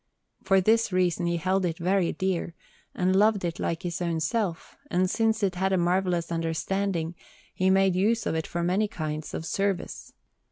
For this reason he held it very dear, and loved it like his own self; and since it had a marvellous understanding, he made use of it for many kinds of service.